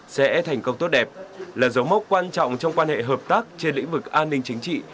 sẽ thành công tốt đẹp là dấu mốc quan trọng trong quan hệ hợp tác trên lĩnh vực an ninh chính trị